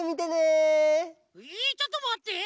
えっちょっとまって。